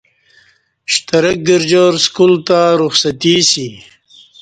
شترک گرجار سکول تہ رخصتی اسی